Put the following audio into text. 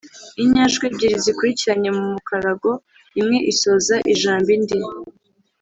inyajwi ebyiri zikurikiranye mu mukarago, imwe isoza ijambo indi